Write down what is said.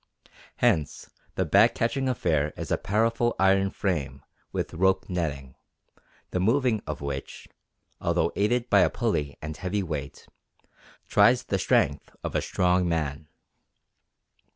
Hence the bag catching affair is a powerful iron frame with rope netting, the moving of which, although aided by a pulley and heavy weight, tries the strength of a strong man.